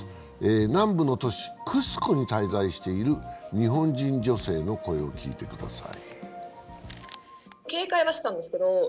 南部の都市・クスコに滞在している日本人女性の声を聞いてください。